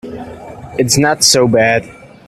It's not so bad.